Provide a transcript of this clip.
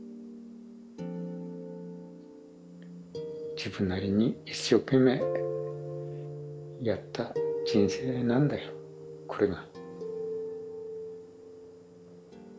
自分なりに一生懸命やった人生なんだよこれが。